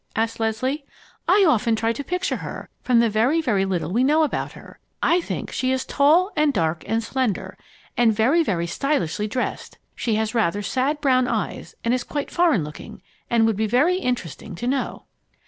asked Leslie. "I often try to picture her from the very, very little we know about her. I think she is tall and dark and slender, and very, very stylishly dressed. She has rather sad brown eyes and is quite foreign looking and would be very interesting to know."